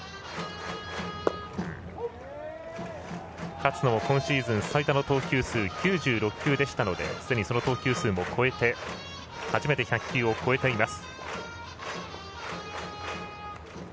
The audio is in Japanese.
勝野は今シーズン最多の投球数９６球でしたのでその投球数も超えて初めて１００球を超えています。